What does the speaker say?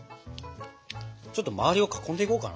ちょっとまわりを囲んでいこうかな。